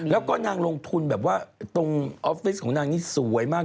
แล้วก็นางลงทุนแบบว่าตรงออฟฟิศของนางนี่สวยมาก